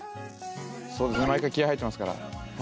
そうですね毎回気合い入ってますからはい。